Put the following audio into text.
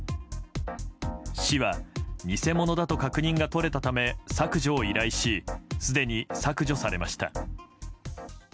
市は偽物だと確認が取れたため削除を依頼しすでに削除されました。